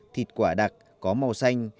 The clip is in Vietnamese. thịt quả đặc có màu xanh